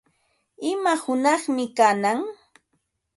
¿Ima hunaqmi kanan?